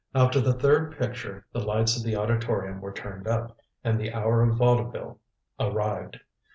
After the third picture the lights of the auditorium were turned up, and the hour of vaudeville arrived.